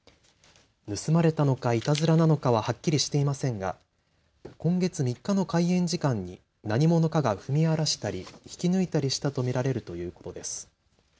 盗まれたのか、いたずらなのかははっきりしていませんが今月３日の開園時間に何者かが踏み荒らしたり引き抜いたりしたと見られるということです。